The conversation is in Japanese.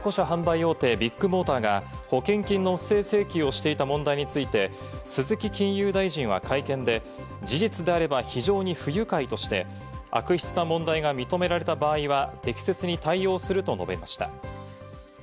中古車販売大手・ビッグモーターが保険金の不正請求をしていた問題について、鈴木金融大臣は会見で事実であれば非常に不愉快として悪質な問題が認められた場合は適切に対応すると述べました。